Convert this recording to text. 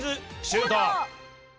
シュート！